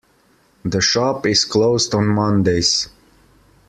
The shop is closed on Mondays.